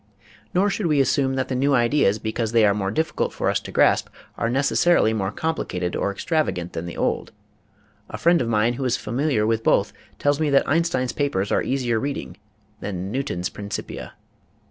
Nor should we assume that the new ideas, because 90 EASY LESSONS IN EINSTEIN they are more difficult for us to grasp, are necessarily more complicated or extravagant than the old. A friend of mine who is familiar with both tells me that Einstein's papers are easier reading than Newton's " Principia."